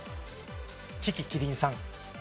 樹木希林さん。